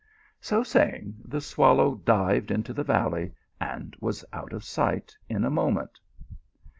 So saying, the swallow dived into the valley and was out of sight in a moment.